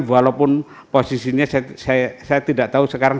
walaupun posisinya saya tidak tahu sekarang